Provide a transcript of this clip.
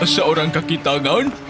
seorang kaki tangan